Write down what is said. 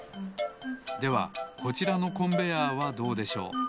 ではこちらのコンベヤーはどうでしょう。